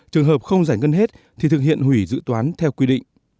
trường hợp không giải ngân hết thì thực hiện hủy dự toán theo quy định